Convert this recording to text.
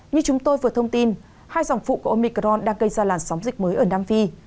như chúng tôi vừa thông tin hai dòng phụ của omicron đang gây ra làn sóng dịch mới ở nam phi